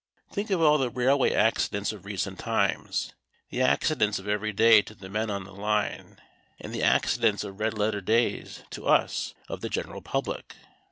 Think of all the railway accidents of recent times the accidents of every day to the men on the line, and the accidents of red letter days to us of the general public.